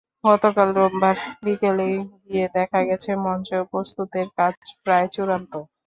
গতকাল রোববার বিকেলে গিয়ে দেখা গেছে, মঞ্চ প্রস্তুতের কাজ প্রায় চূড়ান্ত।